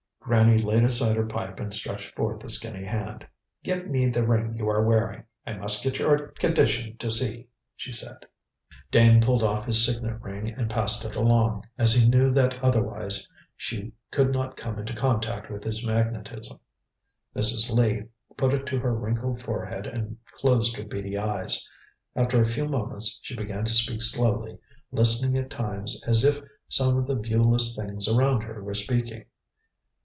Granny laid aside her pipe and stretched forth a skinny hand. "Give me the ring you are wearing. I must get your condition to see," she said. Dane pulled off his signet ring and passed it along, as he knew that otherwise she could not come into contact with his magnetism. Mrs. Lee put it to her wrinkled forehead and closed her beady eyes. After a few moments she began to speak slowly, listening at times as if some of the viewless Things around her were speaking.